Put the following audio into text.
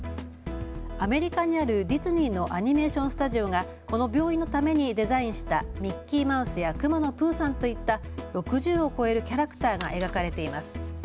アメリカにあるディズニーのアニメーションスタジオがこの病院のためにデザインしたミッキーマウスやくまのプーさんといった６０を超えるキャラクターが描かれています。